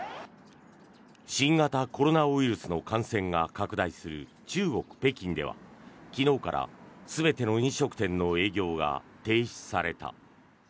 新型コロナウイルスの感染が拡大する中国・北京では昨日から全ての飲食店の営業が停止された。